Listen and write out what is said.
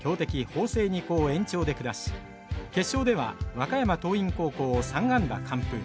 法政二高を延長で下し決勝では和歌山桐蔭高校を３安打完封。